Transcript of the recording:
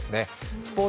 スポーツ